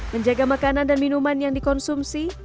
menjaga makanan dan minuman yang dikonsumsi